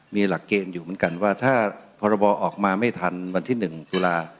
มีหลักเกณฑ์อยู่เหมือนกันว่าถ้าพรบออกมาไม่ทันวันที่๑ตุลา